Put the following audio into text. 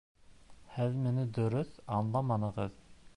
Һеҙ мине дөрөҫ аңламанығыҙ